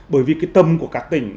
bởi vì cái tâm của các tỉnh